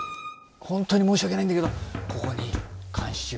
本当に申し訳ないんだけどここに監視用。